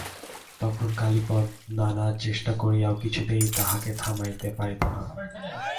তখন কালীপদ নানা চেষ্টা করিয়াও কিছুতেই তাঁহাকে থামাইতে পারিত না।